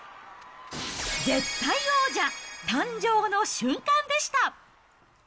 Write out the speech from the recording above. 絶対王者誕生の瞬間でした。